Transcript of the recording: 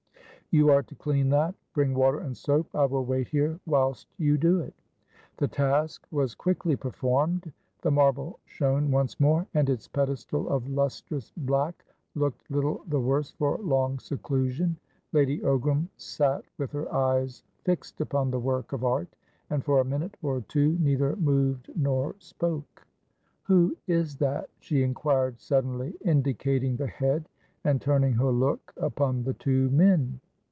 "You are to clean that. Bring water and soap. I will wait here whilst you do it." The task was quickly performed; the marble shone once more, and its pedestal of lustrous black looked little the worse for long seclusion. Lady Ogram sat with her eyes fixed upon the work of art, and for a minute or two neither moved nor spoke. "Who is that?" she inquired suddenly, indicating the head, and turning her look upon the two men.